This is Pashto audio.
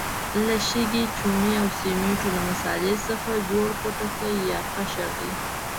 له شګې، چونې او سمنټو له مسالې څخه جوړ پوټکی یا قشر دی.